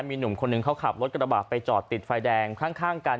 มีหนุ่มคนหนึ่งเขาขับรถกระบาดไปจอดติดไฟแดงข้างกัน